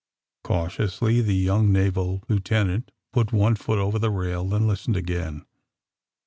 Cautionsly the yonng naval lieutenant put one foot over the rail, than listened again.